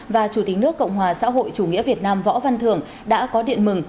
và chủ tịch nước cộng hòa xã hội chủ nghĩa việt nam võ văn thường đã có điện mừng